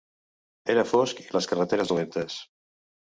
Era fosc i les carreteres dolentes.